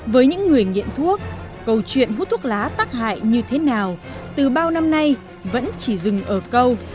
với những người nghiện thuốc câu chuyện hút thuốc lá tác hại như thế nào từ bao năm nay vẫn chỉ dừng ở câu